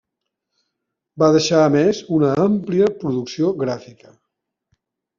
Va deixar a més una àmplia producció gràfica.